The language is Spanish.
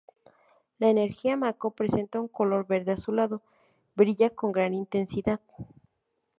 La energía Mako presenta un color verde azulado, brilla con gran intensidad.